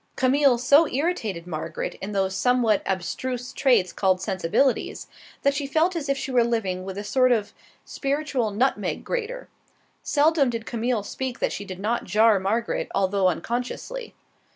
Camille so irritated Margaret in those somewhat abstruse traits called sensibilities that she felt as if she were living with a sort of spiritual nutmeg grater. Seldom did Camille speak that she did not jar Margaret, although unconsciously.